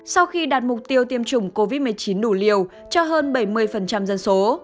sau khi đạt mục tiêu tiêm chủng covid một mươi chín đủ liều cho hơn bảy mươi dân số